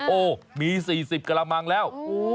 โอ้มี๔๐กระมังแล้ว